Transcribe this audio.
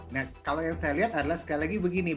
nah kalau yang saya lihat adalah sekali lagi begini